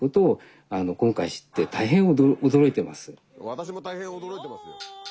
私も大変驚いてますよ。